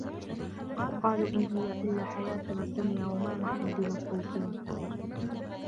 وقالوا إن هي إلا حياتنا الدنيا وما نحن بمبعوثين